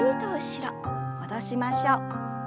戻しましょう。